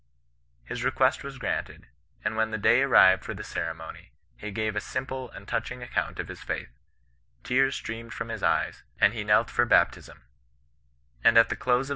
His re quest was granted ; and when the day arrived for the ceremony, he gave a simple and touching account of his faith ; tears streamed from his eyes, as he knelt for bai^ CHRISTIAN NON EESISTANOE.